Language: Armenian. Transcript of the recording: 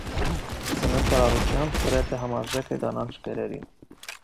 Սննդարարությամբ գրեթե համարժեք է կանաչ կերերին։